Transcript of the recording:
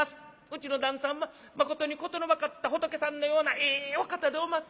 うちの旦さんはまことに事の分かった仏さんのようなええお方でおます